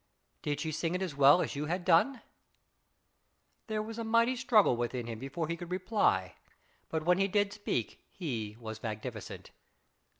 " Did she sing it as well as you had done ?" There was a mighty struggle within him before he could reply, but when he did speak he was magnificent.